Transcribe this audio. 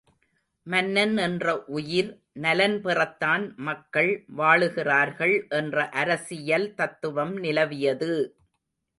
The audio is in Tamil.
மன்னன் என்ற உயிர், நலன் பெறத்தான் மக்கள் வாழுகிறார்கள் என்ற அரசியல் தத்துவம் நிலவியது!